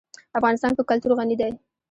افغانستان په کلتور غني دی.